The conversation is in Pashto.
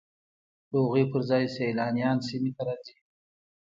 د هغوی پر ځای سیلانیان سیمې ته راځي